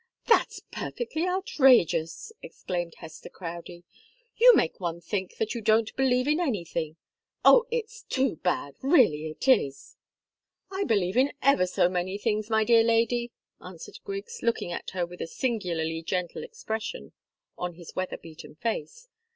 "That's perfectly outrageous!" exclaimed Hester Crowdie. "You make one think that you don't believe in anything! Oh, it's too bad really it is!" "I believe in ever so many things, my dear lady," answered Griggs, looking at her with a singularly gentle expression on his weather beaten face.